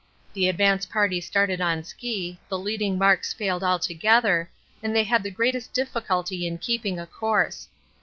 The advance party started on ski, the leading marks failed altogether, and they had the greatest difficulty in keeping a course.